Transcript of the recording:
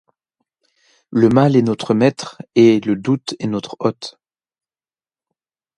Le mal est notre maître et, le doute est notre hôte ;